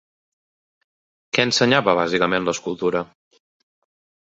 Què ensenyava bàsicament l'escultura?